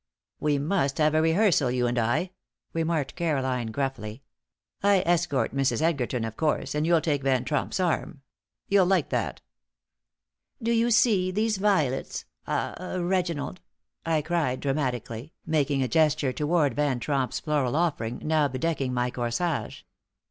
"We must have a rehearsal, you and I," remarked Caroline, gruffly. "I escort Mrs. Edgerton, of course, and you'll take Van Tromp's arm. You'll like that." "Do you see these violets ah Reginald?" I cried, dramatically, making a gesture toward Van Tromp's floral offering, now bedecking my corsage.